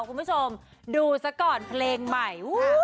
คุณผู้ชมดูซะก่อนเพลงใหม่